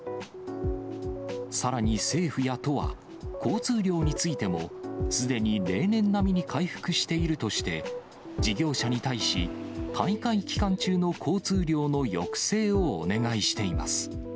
さらに政府や都は交通量についても、すでに例年並みに回復しているとして、事業者に対し、大会期間中の交通量の抑制をお願いしています。